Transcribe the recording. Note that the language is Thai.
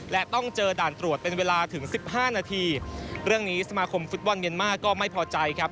และต้องเจอด่านตรวจเป็นเวลาถึงสิบห้านาทีเรื่องนี้สมาคมฟุตบอลเมียนมาร์ก็ไม่พอใจครับ